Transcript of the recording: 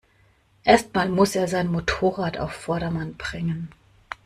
Erst mal muss er sein Motorrad auf Vordermann bringen.